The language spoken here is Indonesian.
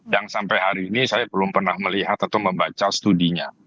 yang sampai hari ini saya belum pernah melihat atau membaca studinya